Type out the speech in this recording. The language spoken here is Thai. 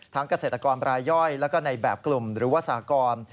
เกษตรกรรายย่อยแล้วก็ในแบบกลุ่มหรือว่าสากร